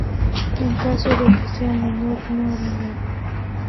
En caso de que sea menor, no hará nada.